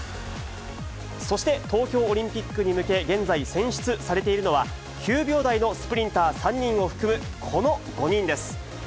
そして、東京オリンピックに向け、現在、選出されているのは、９秒台のスプリンター３人を含む、この５人です。